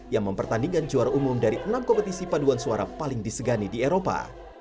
yang mempertandingkan juara umum dari enam kompetisi paduan suara paling disegani di eropa